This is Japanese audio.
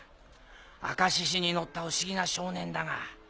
アカシシに乗った不思議な少年だが。